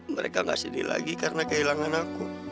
mereka nggak sedih lagi karena kehilangan aku